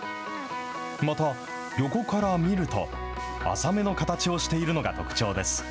また、横から見ると、浅めの形をしているのが特徴です。